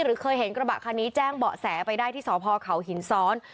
หรือเคยเห็นกระบะคันนี้แจ้งเบาะแสไปได้ที่สพเขาหินซ้อน